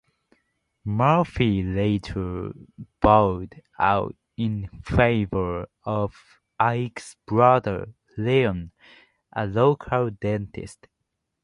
Murphy later bowed out in favor of Ike's brother, Leon, a local dentist.